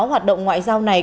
hoạt động ngoại giao này